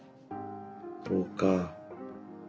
そうか。